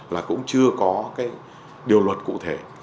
là cũng chưa có cái điều luật cụ thể